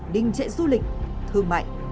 đinh trệ du lịch thương mại